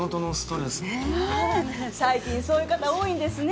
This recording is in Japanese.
最近そういう方多いんですね。